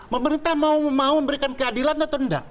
pemerintah mau memberikan keadilan atau tidak